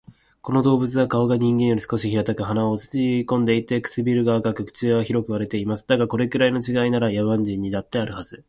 この動物は顔が人間より少し平たく、鼻は落ち込んでいて、唇が厚く、口は広く割れています。だが、これくらいの違いなら、野蛮人にだってあるはず